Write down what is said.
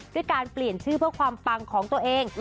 ด้วยการเปลี่ยนชื่อเพื่อความปังของตัวเอง